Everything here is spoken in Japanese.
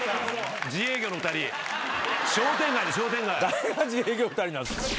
誰が自営業２人なん。